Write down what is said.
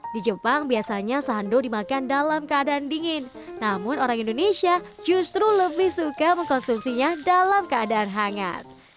di jepang biasanya sandow dimakan dalam keadaan dingin namun orang indonesia justru lebih suka mengkonsumsinya dalam keadaan hangat